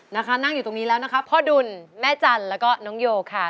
นั่งอยู่ตรงนี้แล้วนะคะพ่อดุลแม่จันทร์แล้วก็น้องโยค่ะ